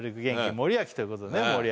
森脇ということでね森脇